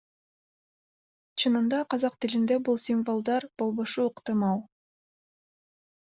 Чынында казак тилинде бул символдор болбошу ыктымал.